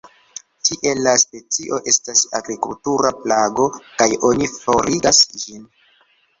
Tie la specio estas agrikultura plago kaj oni forigas ĝin.